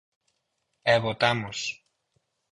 E votamos.